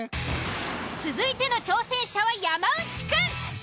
続いての挑戦者は山内くん。